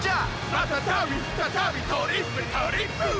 「またたびふたたびトリップトリップ！」